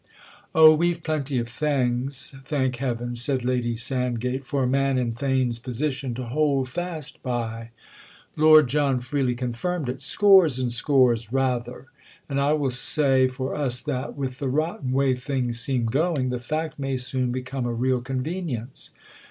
"Oh, we've plenty of things, thank heaven," said Lady Sandgate, "for a man in Theign's position to hold fast by!" Lord John freely confirmed it. "Scores and scores—rather! And I will say for us that, with the rotten way things seem going, the fact may soon become a real convenience."